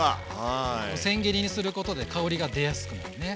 せん切りにすることで香りが出やすくなるね。